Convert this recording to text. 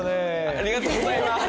ありがとうございます。